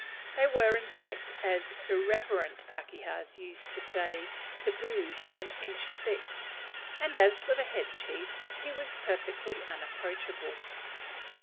They were, in fact, as irreverent pakehas used to say, "tabooed an inch thick;" and as for the head chief, he was perfectly unapproachable.